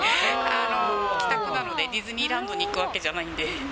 帰宅なので、ディズニーランドに行くわけじゃないんで。